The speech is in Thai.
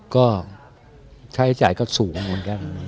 ก็ใช้จ่ายก็สูงเหมือนกัน